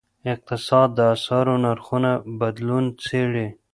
اقتصاد د اسعارو نرخونو بدلون څیړي.